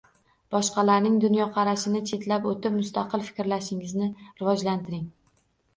Boshqalarning dunyoqarashini chetlab o’tib, mustaqil fikrlashingizni rivojlantiring